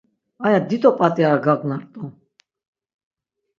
Aya dido p̌at̆i ar gagna rt̆u.